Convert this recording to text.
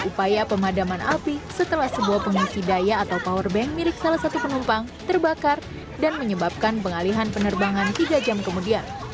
upaya pemadaman api setelah sebuah pengisi daya atau powerbank milik salah satu penumpang terbakar dan menyebabkan pengalihan penerbangan tiga jam kemudian